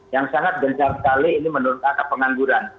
yang sangat gencar sekali ini menurut angka pengangguran